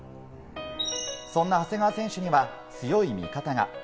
そんな長谷川選手には強い味方が。